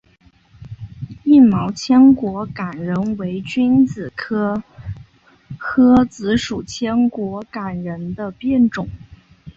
硬毛千果榄仁为使君子科诃子属千果榄仁的变种。